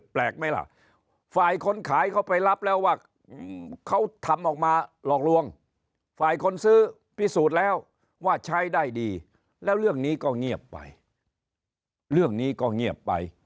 แปลกไหมล่ะฝ่ายคนขายเขาไปรับแล้วว่าเขาทำออกมาหลอกลวงฝ่ายคนซื้อพิสูจน์แล้วว่าใช้ได้ดีแล้วเรื่องนี้ก็เงียบไปเรื่องนี้ก็เงียบไป